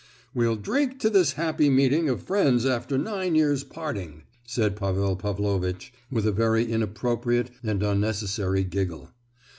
"We'll drink to this happy meeting of friends after nine years' parting!" said Pavel Pavlovitch, with a very inappropriate and unnecessary giggle.